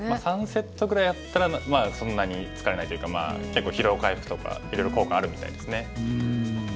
３セットぐらいだったらそんなに疲れないというかまあ結構疲労回復とかいろいろ効果あるみたいですね。